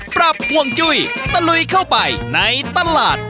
ปรับห่วงจุ้ยตะลุยเข้าไปในตลาด